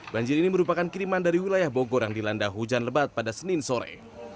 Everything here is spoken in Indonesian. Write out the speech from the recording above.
banjir ini merupakan kiriman dari wilayah bogor yang dilanda hujan lebat pada senin sore